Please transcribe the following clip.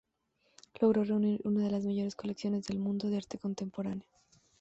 Logró reunir una de las mayores colecciones del mundo de arte contemporáneo.